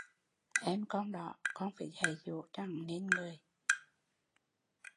Em con đó, con phải dạy dỗ cho hắn nên người